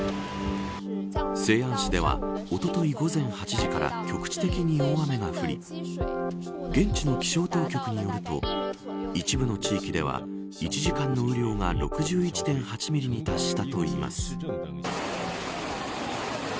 西安市ではおととい午前８時から局地的に大雨が降り現地の気象当局によると一部の地域では１時間の雨量が６１．８ミリに達したといいます。